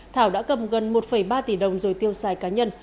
thảo đã cầm gần một ba tỷ đồng rồi tiêu xài cá nhân